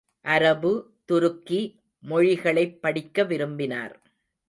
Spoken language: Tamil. அரபு, துருக்கி மொழிகளைப் படிக்க விரும்பினார்.